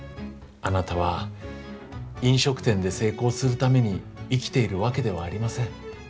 あなたは飲食店で成功するために生きているわけではありません。